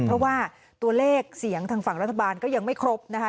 เพราะว่าตัวเลขเสียงทางฝั่งรัฐบาลก็ยังไม่ครบนะคะ